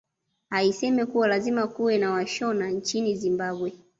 Aisema kuwa lazima kuwe na washona nchini Zimbabwe